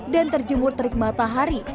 dan terjemur terik matahari